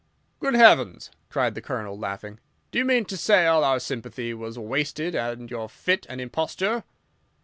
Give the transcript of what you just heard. "Good heavens!" cried the Colonel, laughing, "do you mean to say all our sympathy was wasted and your fit an imposture?"